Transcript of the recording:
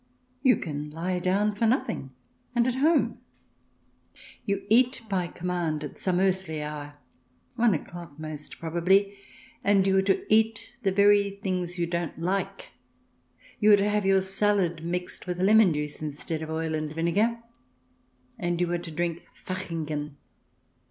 You can lie down for nothing, and at home. You eat by command, at some earthly hour — one o'clock, most probably — and you are to eat the very things you don't like ; you are to have your salad mixed with lemon juice instead of oil and vinegar, and you are to drink Fachingen